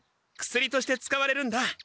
薬として使われるんだ。